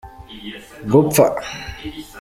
gupfa.